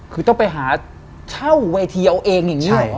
คือต้องไปหาเช่าเวทีเอาเองอย่างนี้หรอ